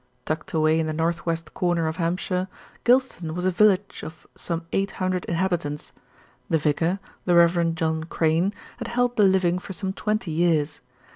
Tucked away in the north west corner of Hampshire, Gylston was a village of some eight hundred inhabitants. The vicar, the Rev. John Crayne, had held the living for some twenty years.